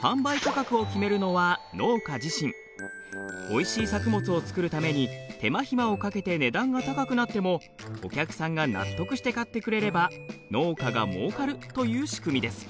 おいしい作物を作るために手間ひまをかけて値段が高くなってもお客さんが納得して買ってくれれば農家がもうかるという仕組みです。